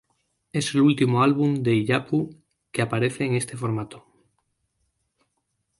Es el último álbum de Illapu que aparece en este formato.